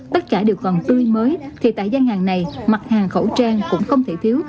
tất cả đều còn tươi mới thì tại gian hàng này mặt hàng khẩu trang cũng không thể thiếu